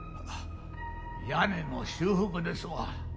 屋根の修復ですわ。